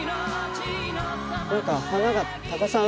何か花がたこさん